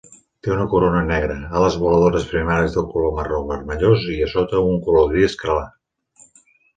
Té una corona negra, ales voladores primàries de color marró vermellós i a sota un color gris clar.